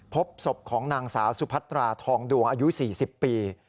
พบศพของนางสาวสุพัตราทองดวงอายุ๔๐ปี